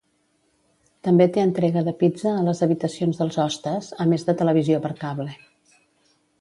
També té entrega de pizza a les habitacions dels hostes, a més de televisió per cable.